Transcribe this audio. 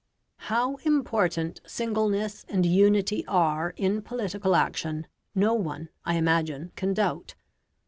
How important singleness and unity are in political action no one, I imagine, can doubt.